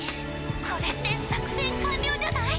これって作戦完了じゃない？